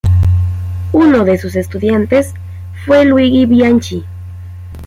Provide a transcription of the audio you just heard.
Uno de sus estudiantes fue Luigi Bianchi.